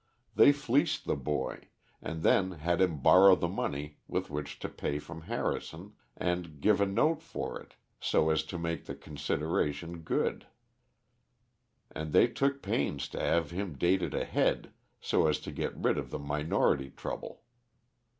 They fleeced the boy, and then had him borrow the money with which to pay from Harrison, and give a note for it, so as to make the consideration good; and they took pains to have him date it ahead, so as to get rid of the minority trouble.